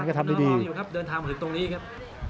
เดินทางมาถึงตรงนี้ครับ